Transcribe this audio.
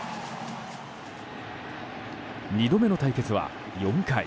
２度目の対決は４回。